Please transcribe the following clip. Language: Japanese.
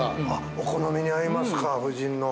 ◆お好みに合いますか、夫人の。